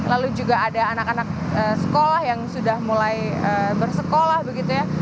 lalu juga ada anak anak sekolah yang sudah mulai bersekolah begitu ya